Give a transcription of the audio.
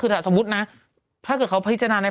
ซื่อนอยู่หรอซื่อนอยู่